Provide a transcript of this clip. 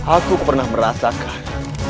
aku pernah merasakan